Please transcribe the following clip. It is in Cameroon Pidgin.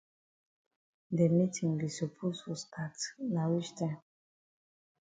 De meetin be suppose for stat na wich time.